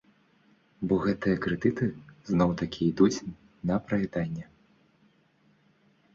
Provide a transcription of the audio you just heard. Бо гэтыя крэдыты зноў-такі ідуць на праяданне.